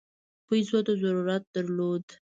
پیسو ته ضرورت درلود.